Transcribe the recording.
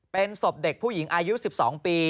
เป็นศพเด็กผู้หญิงอายุ๑๒ปี